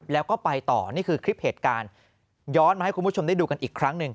แล้วก็ไปต่อนี่คือคลิปเหตุการณ์ย้อนมาให้คุณผู้ชมได้ดูกันอีกครั้งหนึ่ง